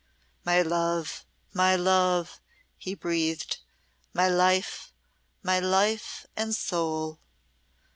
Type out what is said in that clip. "My love! my love!" he breathed. "My life! my life and soul!"